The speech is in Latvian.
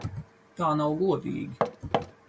Tā nav godīgi!